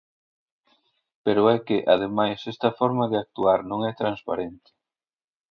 Pero é que, ademais, esta forma de actuar non é transparente.